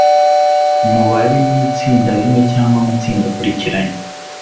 mu bari mu itsinda rimwe cyangwa amatsinda akurikiranye